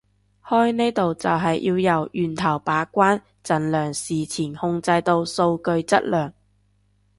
開呢度就係要由源頭把關盡量事前控制到數據質量